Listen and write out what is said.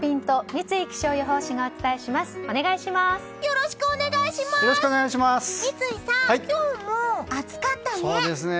三井さん、今日も暑かったね！